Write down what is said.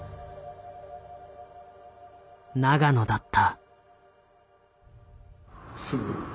永野だった。